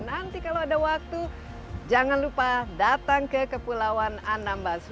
nanti kalau ada waktu jangan lupa datang ke kepulauan anambas